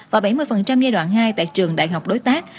và bảy mươi giai đoạn hai tại trường đại học đối tác